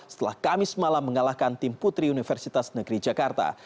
setelah kamis malam mengalahkan tim putri universitas negeri jakarta